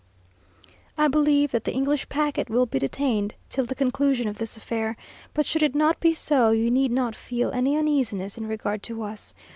I believe that the English packet will be detained till the conclusion of this affair, but should it not be so, you need not feel any uneasiness in regard to us.